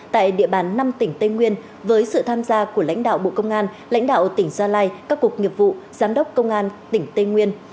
tại địa bàn năm tỉnh tây nguyên với sự tham gia của lãnh đạo bộ công an lãnh đạo tỉnh gia lai các cục nghiệp vụ giám đốc công an tỉnh tây nguyên